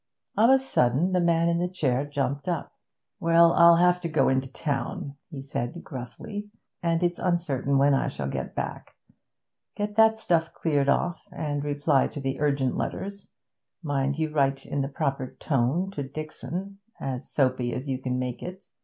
Of a sudden the man in the chair jumped up. 'Well, I have to go into town,' he said gruffly, 'and it's uncertain when I shall be back. Get that stuff cleared off, and reply to the urgent letters mind you write in the proper tone to Dixon as soapy as you can make it.